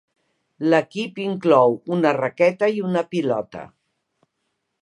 L'equip inclou una raqueta i una pilota.